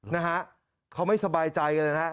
นะฮะเขาไม่สบายใจกันเลยนะฮะ